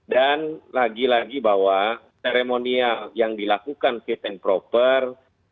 dan lagi lagi bahwa seremonial yang dilakukan fit and proper